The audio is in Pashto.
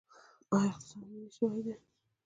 آیا اقتصاد ملي شوی دی؟